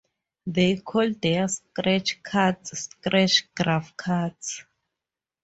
They called their sketch cards "sketchagraph" cards.